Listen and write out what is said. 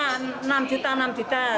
ada enam juta enam juta